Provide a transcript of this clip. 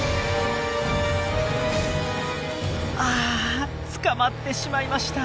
あっ捕まってしまいました！